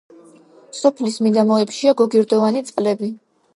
სოფლის მიდამოებშია გოგირდოვანი წყლები.